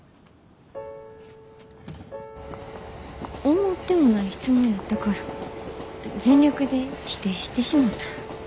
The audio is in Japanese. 思ってもない質問やったから全力で否定してしもた。